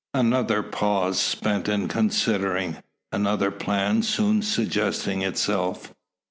Another pause spent in considering; another plan soon suggesting itself.